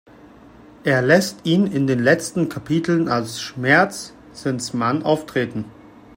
Er lässt ihn in den letzten Kapiteln als "Schmerzensmann" auftreten.